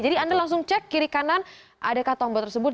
jadi anda langsung cek kiri kanan adakah tombol tersebut